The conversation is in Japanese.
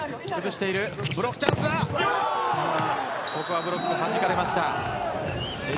ここはブロックをはじかれました。